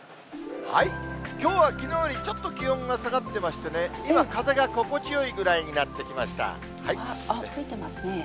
きょうはきのうよりちょっと気温が下がってましてね、今、風が心地よいぐらいになってきました。